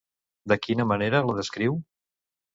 De quina manera la descriu?